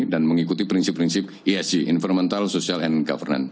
dan mengikuti prinsip prinsip esg